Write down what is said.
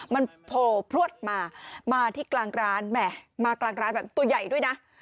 มันโผล่พลวดมามาที่กลางร้านแหมมากลางร้านแบบตัวใหญ่ด้วยนะ